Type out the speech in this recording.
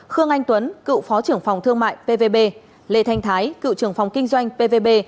khương anh tuấn cựu phó trưởng phòng thương mại pvb lê thanh thái cựu trưởng phòng kinh doanh pvb